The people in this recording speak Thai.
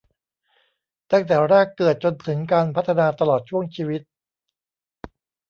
ตั้งแต่แรกเกิดจนถึงการพัฒนาตลอดช่วงชีวิต